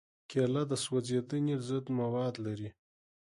کېله د سوځېدنې ضد مواد لري.